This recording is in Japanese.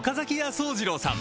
惣次郎さん